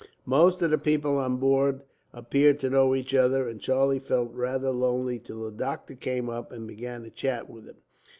Most of the people on board appeared to know each other, and Charlie felt rather lonely, till the doctor came up and began to chat with him.